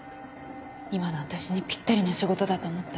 今の私にぴったりな仕事だと思った。